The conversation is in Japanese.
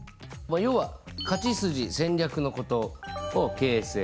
要は勝ち筋戦略のことをＫＳＦ。